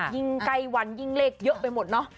ยิ่งใกล้วันยิ่งเลขเยอะไปหมดเนอะ